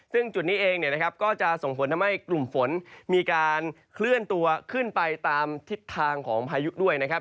ซึ่งจุดนี้เองเนี่ยนะครับก็จะส่งผลทำให้กลุ่มฝนมีการเคลื่อนตัวขึ้นไปตามทิศทางของพายุด้วยนะครับ